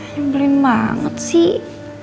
nyembelin banget sih